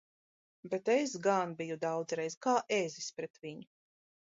Bet es gan biju daudzreiz kā ezis pret viņu!